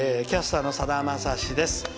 キャスターのさだまさしです。